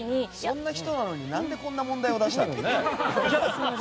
そんな人なのに何でこんな問題出したの。